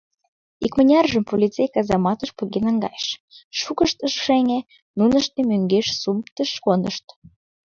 Икмыняржым полицей казаматыш поген наҥгайыш, шукышт ышт шыҥе, нуныштым мӧҥгеш сумптыш кондышт».